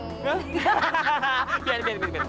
kita harus ke rumah